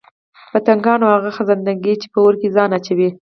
پتنگان او هغه خزندګان چې په اور كي ځان اچوي